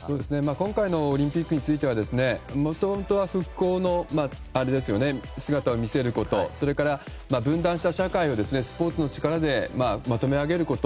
今回のオリンピックについてはもともとは復興の姿を見せることそれから分断した社会をスポーツの力でまとめ上げること。